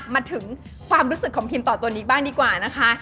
มาถึงความรู้สึกของพิมต่อตัวนี้บ้างดีกว่านะคะ